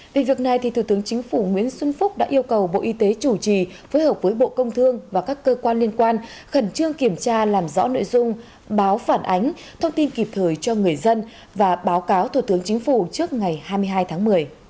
về việc này thủ tướng chính phủ nguyễn xuân phúc đã yêu cầu bộ y tế chủ trì phối hợp với bộ công thương và các cơ quan liên quan khẩn trương kiểm tra làm rõ nội dung báo phản ánh thông tin kịp thời cho người dân và báo cáo thủ tướng chính phủ trước ngày hai mươi hai tháng một mươi